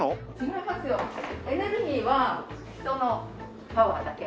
エネルギーは人のパワーだけ。